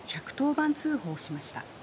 番通報しました。